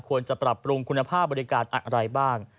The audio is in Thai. ควรจะปรับปรุงคุณภาพบริการอะไรบ้าง